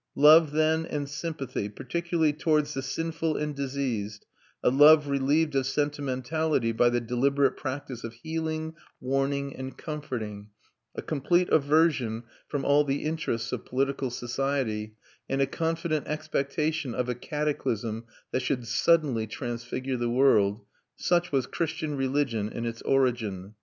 Love, then, and sympathy, particularly towards the sinful and diseased, a love relieved of sentimentality by the deliberate practice of healing, warning, and comforting; a complete aversion from all the interests of political society, and a confident expectation of a cataclysm that should suddenly transfigure the world such was Christian religion in its origin.